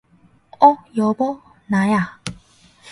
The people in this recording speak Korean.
어, 여보, 나야